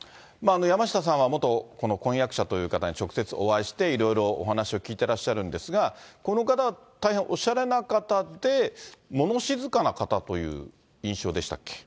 山下さんは元この婚約者という方に直接お会いして、いろいろお話を聞いてらっしゃるんですが、この方、大変おしゃれな方で、もの静かな方という印象でしたっけ？